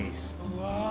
うわ。